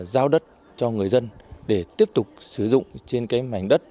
giao đất cho người dân để tiếp tục sử dụng trên cái mảnh đất